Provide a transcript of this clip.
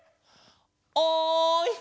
おい！